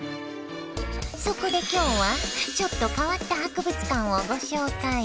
そこで今日はちょっと変わった博物館をご紹介！